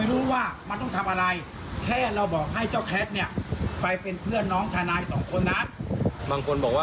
แต่พูดความจริงก็คงบอกว่าทุกฐานมันเป็นดักฐานแล้ว